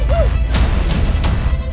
ya allah andin